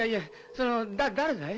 その誰だい？